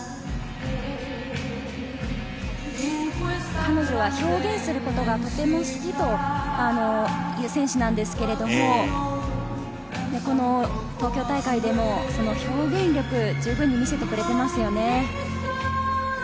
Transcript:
彼女は表現することがとても好きという選手なのですが、東京大会でも表現力じゅうぶん見せてくれていますよね。